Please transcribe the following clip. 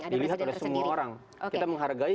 dilihat oleh semua orang kita menghargai